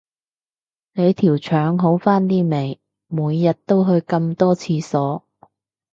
你條腸好返啲未，每日都去咁多廁所